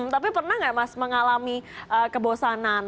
tapi pernah nggak mas mengalami kebosanan